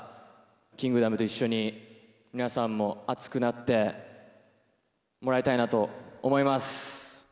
キングダムと一緒に、皆さんも熱くなってもらいたいなと思います。